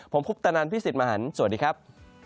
ผมคุปตนันพี่สิทธิ์มหันฯสวัสดีครับ